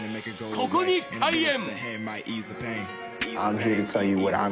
ここに開演。